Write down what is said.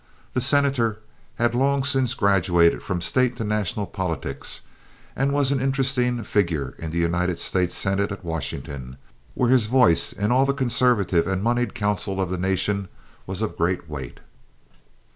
The Senator had long since graduated from State to national politics, and was an interesting figure in the United States Senate at Washington, where his voice in all the conservative and moneyed councils of the nation was of great weight.